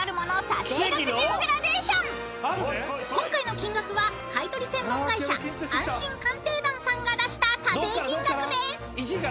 ［今回の金額は買い取り専門会社安心鑑定団さんが出した査定金額です］